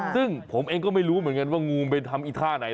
ซึ่งผมเองก็ไม่รู้เหมือนกันว่างูมันไปทำอีท่าไหน